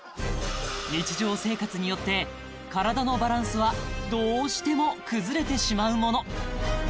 日常生活によって体のバランスはどうしても崩れてしまうもの